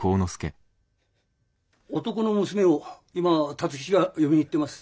男の娘を今辰吉が呼びにいってます。